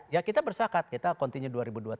ya kita bersakat kita kontinu dua ribu dua puluh tiga